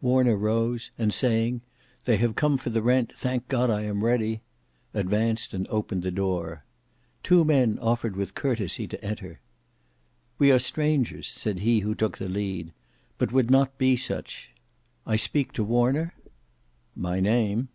Warner rose, and saying, "they have come for the rent. Thank God, I am ready," advanced and opened the door. Two men offered with courtesy to enter. "We are strangers," said he who took the lead, "but would not be such. I speak to Warner?" "My name."